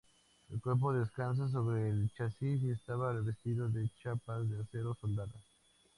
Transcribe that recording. El cuerpo descansa sobre el chasis y estaba revestido de chapas de acero soldadas.